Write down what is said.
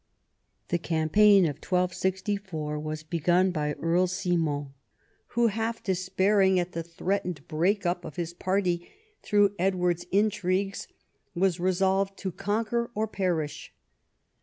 The campaign of 1264 was begun by Earl Simon, who, half despairing at the threatened break up of his party through Edward's intrigues, was resolved to con quer or perish.